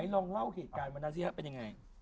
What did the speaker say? ไหนลองเล่าเหตุการณ์มนาสิฮะเป็นยังไง